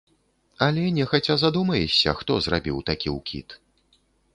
Але нехаця задумаешся, хто зрабіў такі ўкід.